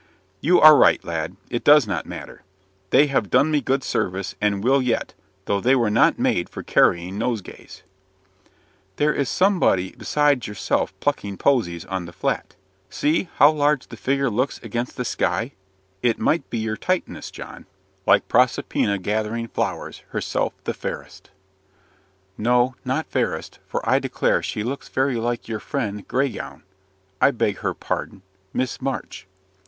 "You are right; lad; it does not matter. They have done me good service, and will yet, though they were not made for carrying nosegays." "There is somebody besides yourself plucking posies on the Flat. See, how large the figure looks against the sky. It might be your Titaness, John 'Like Proserpina gathering flowers, Herself the fairest ' no, not fairest; for I declare she looks very like your friend Grey gown I beg her pardon Miss March."